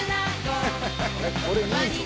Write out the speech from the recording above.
「これいいぞ」